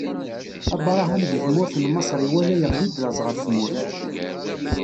Abṛaham di tmurt n Maṣer iwala iɣli-d laẓ ɣef tmurt.